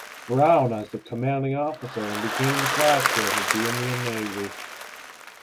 Brown as the commanding officer and became the flagship of the Indian Navy.